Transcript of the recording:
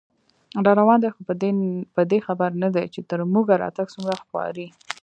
راروان دی خو په دې خبر نه دی، چې تر موږه راتګ څومره خواري